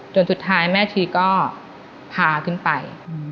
สุดท้ายแม่ชีก็พาขึ้นไป